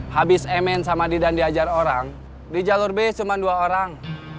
habis mn sama didan diajar orang di jalur b cuma dua orang